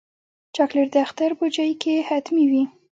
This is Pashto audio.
چاکلېټ د اختر بوجۍ کې حتمي وي.